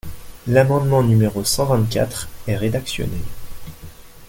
L’amendement numéro cent vingt-quatre est rédactionnel.